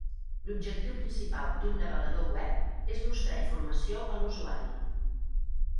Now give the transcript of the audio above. L'objectiu principal d'un navegador web és mostrar informació a l'usuari.